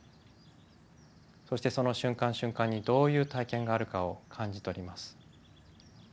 そしてその瞬間瞬間にどういう体験があるかを感じ取ります。